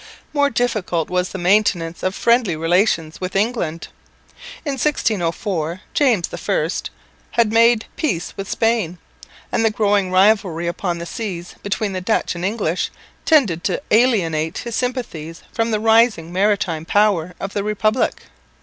More difficult was the maintenance of friendly relations with England. In 1604 James I had made peace with Spain; and the growing rivalry upon the seas between the Dutch and English tended to alienate his sympathies from the rising maritime power of the republic.